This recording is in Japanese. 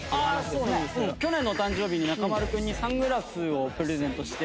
去年の誕生日に中丸君にサングラスをプレゼントして。